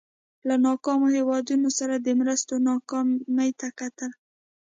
له ناکامو هېوادونو سره د مرستو ناکامۍ ته کتل.